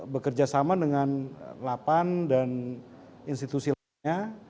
bekerja sama dengan lapan dan institusi lainnya